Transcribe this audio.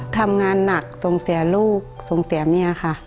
ทำงานหนักส่งเสียลูกส่งเสียเมียค่ะ